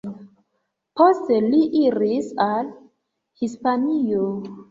Poste li iris al Hispanio.